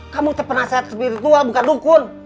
kamu penasihat spiritual bukan dukun